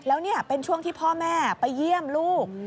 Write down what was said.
แล้วนี่เป็นช่วงที่พ่อแม่ไปเยี่ยมลูก